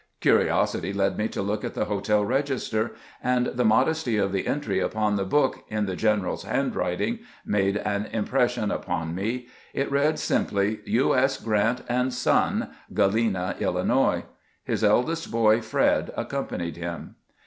Curiosity led me to look at the hotel register, and the modesty of the entry upon the book, in the general's handwriting, made an impression upon me. 22 CAMPAIGNING WITH GEANT It read simply, " TJ. S. Grrant and son, Galena, lU." His eldest boy, Fred, accompanied him.